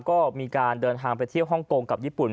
ก็มีการเดินทางไปเที่ยวฮ่องกงกับญี่ปุ่น